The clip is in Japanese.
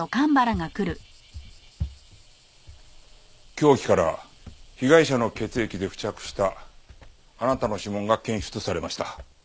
凶器から被害者の血液で付着したあなたの指紋が検出されました。